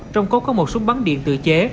trong cốt có một súng bắn điện tự chế